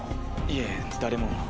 いえ誰も。